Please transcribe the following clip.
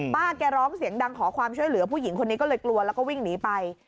ป้าแกร้องเสียงดังขอความช่วยเหลือผู้หญิงคนนี้ก็เลยกลัวแล้วก็วิ่งหนีไป